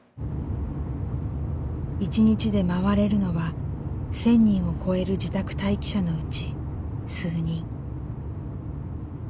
一日で回れるのは１，０００人を超える自宅待機者のうち数人。